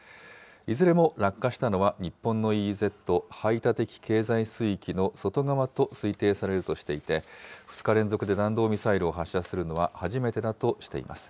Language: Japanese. いずれも落下したのは日本のＥＥＺ・排他的経済水域の外側と推定されるとしていて、２日連続で弾道ミサイルを発射するのは初めてだとしています。